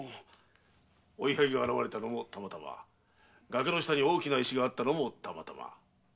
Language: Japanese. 追いはぎが現れたのも“たまたま”崖の下に大きな石があったのも“たまたま”。